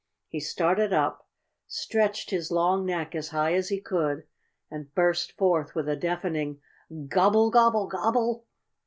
He started up, stretched his long neck as high as he could, and burst forth with a deafening "_Gobble, gobble, gobble!